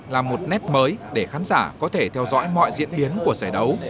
là một nét mới để khán giả có thể theo dõi mọi diễn biến của giải đấu